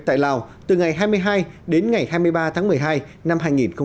tại lào từ ngày hai mươi hai đến ngày hai mươi ba tháng một mươi hai năm hai nghìn hai mươi